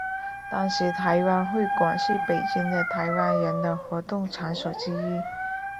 当时台湾会馆是在北京的台湾人的活动场所之一。